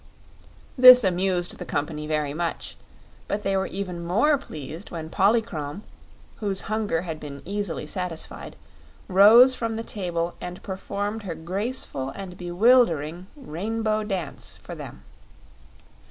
This amused the company very much, but they were even more pleased when Polychrome, whose hunger had been easily satisfied, rose from the table and performed her graceful and bewildering Rainbow Dance for them.